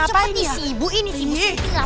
ayo cepet disibu ini si ibu